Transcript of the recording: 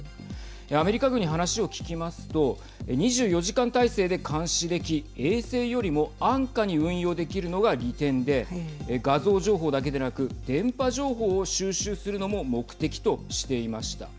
アメリカ軍に話を聞きますと２４時間体制で監視でき衛星よりも安価に運用できるのが利点で画像情報だけでなく電波情報を収集するのも目的としていました。